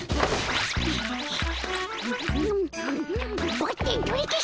バッテン取り消し。